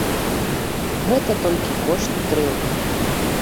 Гэта толькі кошт дрэў.